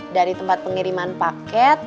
dari tempat pengiriman paket